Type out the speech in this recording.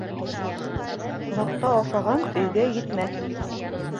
Ҡунаҡта ашаған өйгә етмәҫ.